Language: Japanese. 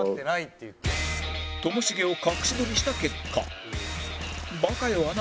ともしげを隠し撮りした結果